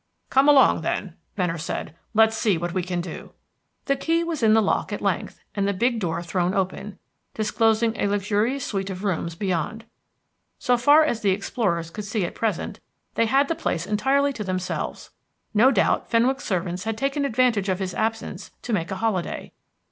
"Come along, then," Venner said. "Let's see what we can do." The key was in the lock at length, and the big door thrown open, disclosing a luxurious suite of rooms beyond. So far as the explorers could see at present, they had the place entirely to themselves. No doubt Fenwick's servants had taken advantage of his absence to make a holiday.